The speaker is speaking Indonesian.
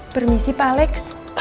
permisi pak alex